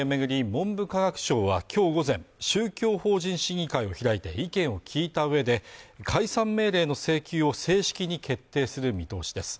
文部科学省はきょう午前宗教法人審議会を開いて意見を聞いた上で解散命令の請求を正式に決定する見通しです